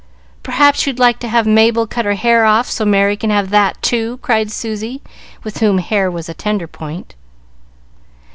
"Perhaps you'd like to have Mabel cut her hair off, so Merry can have that, too?" cried Susy, with whom hair was a tender point.